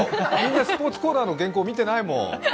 スポーツコーナーの原稿見てないもん。